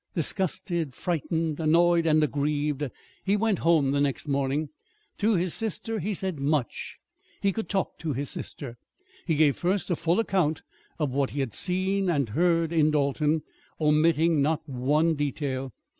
Disgusted, frightened, annoyed, and aggrieved, he went home the next morning. To his sister he said much. He could talk to his sister. He gave first a full account of what he had seen and heard in Dalton, omitting not one detail.